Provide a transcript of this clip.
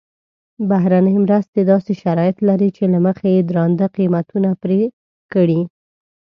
بهرنۍ مرستې داسې شرایط لري چې له مخې یې درانده قیمتونه پرې کړي.